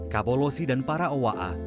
kabolosi dan para owa'a